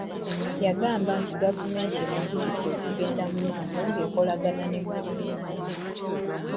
Yagamba nti Gavumenti emaliridde okugenda mu maaso ng'ekolagana ne Mulindwa.